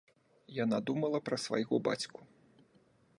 Яна думала пра свайго бацьку.